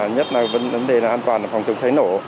nhất là vấn đề là an toàn phòng chống cháy nổ